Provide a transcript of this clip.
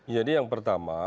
jadi yang pertama